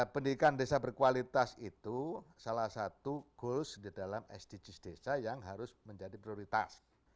pendidikan desa berkualitas itu salah satu goals di dalam sdgs desa yang harus menjadi prioritas